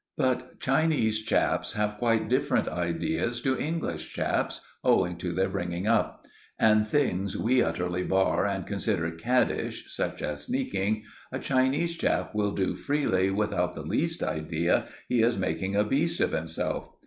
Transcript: But Chinese chaps have quite different ideas to English chaps, owing to their bringing up; and things we utterly bar and consider caddish, such as sneaking, a Chinese chap will do freely without the least idea he is making a beast of himself.